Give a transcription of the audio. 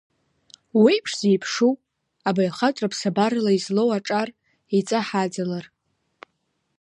Уеиԥш-зеиԥшу, абаҩхатәра ԥсабарала излоу аҿар еиҵаҳааӡалар!